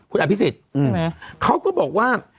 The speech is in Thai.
คุณอภิษฎเขาก็บอกว่า